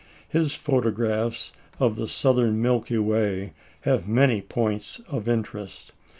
His photographs of the southern Milky Way have many points of interest.